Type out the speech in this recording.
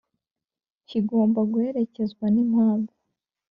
kigomba guherekezwa n impamvu